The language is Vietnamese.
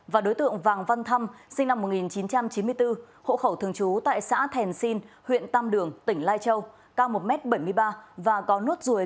và đối tượng vàng văn thăm sinh năm một nghìn chín trăm chín mươi bốn hộ khẩu thường trú tại xã thèn sinh huyện tam đường tỉnh lai châu cao một m bảy mươi ba và có nốt ruồi